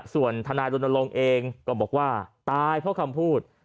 ส่วนทนายรณรงค์เองก็บอกว่าตายเพราะคำพูด